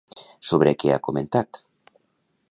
Sobre què ha comentat?